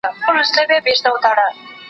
که غاپې نه، لکۍ خو دي دينگه ونيسه.